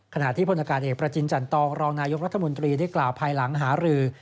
ขณะที่พลอากาศเอกประจินจันตองรองนายกรัฐมนตรีได้กล่าวภายหลังหารือ